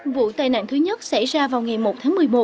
vụ tai nạn thứ nhất xảy ra vào ngày một tháng một mươi một